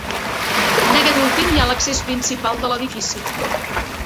En aquest últim hi ha l'accés principal de l'edifici.